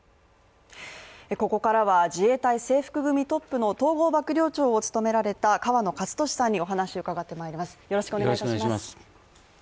ここからは自衛隊制服組トップの統合幕僚長を務めた河野克俊さんにお話を伺ってまいります。